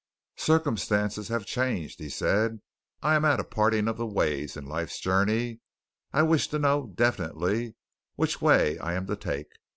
"Circumstances have changed," he said. "I am at a parting of the ways in life's journey. I wish to know definitely which way I am to take.